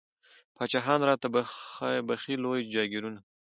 پاچاهان را ته بخښي لوی جاګیرونه